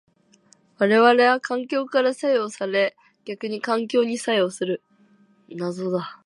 我々は環境から作用され逆に環境に作用する。